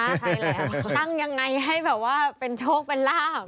ตั้งยังไงให้แบบว่าเป็นโชกเป็นลาบ